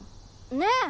ねえ。